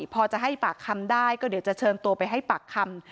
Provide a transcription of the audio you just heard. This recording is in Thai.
พอจะให้ปากคำได้ก็เดี๋ยวจะเชิญตัวไปให้ปากคำ